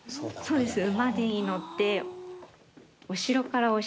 そうですね。